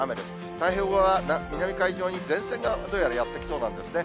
太平洋側は南海上に前線がどうやらやって来そうなんですね。